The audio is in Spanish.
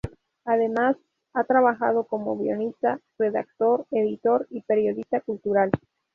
Además ha trabajado como guionista, redactor, editor y periodista cultural.